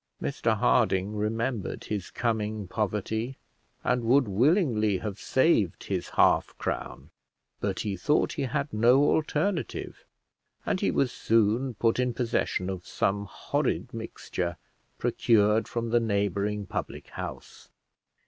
Mr Harding remembered his coming poverty, and would willingly have saved his half crown, but he thought he had no alternative; and he was soon put in possession of some horrid mixture procured from the neighbouring public house.